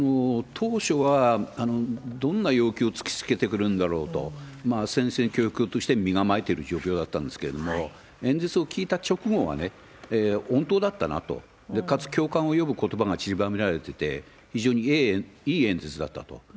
当初はどんな要求を突きつけてくるんだろうと、戦々恐々として身構えてる状況だったんですけれども、演説を聞いた直後はね、穏当だったなと、かつ、共感を呼ぶことばがちりばめられていて、非常にいい演説だったと。